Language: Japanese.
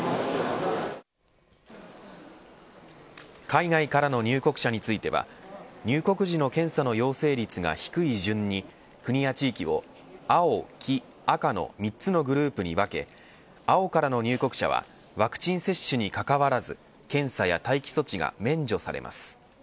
海外からの入国者については入国時の検査の陽性率が低い順に国や地域を青、黄、赤の３つのグループに分け青からの入国者はワクチン接種にかかわらず検査や待機措置が免除されます。